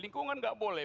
lingkungan nggak boleh